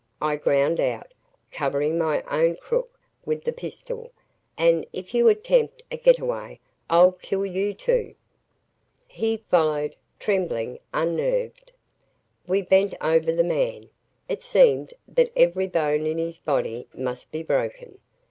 I ground out, covering my own crook with the pistol, "and if you attempt a getaway, I'll kill you, too!" He followed, trembling, unnerved. We bent over the man. It seemed that every bone in his body must be broken.